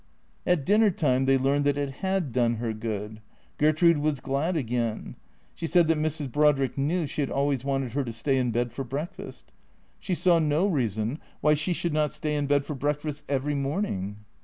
At dinner time they learned that it had done her good. Ger trude was glad again. She said that Mrs. Brodrick knew she had always wanted her to stay in bed for breakfast. She saw no reason why she should not stay in bed for breakfast every morning.